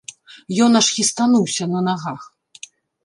Ён аж хістануўся на нагах.